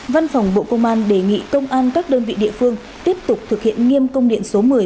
văn phòng bộ công an đề nghị công an các đơn vị địa phương tiếp tục thực hiện nghiêm công điện số một mươi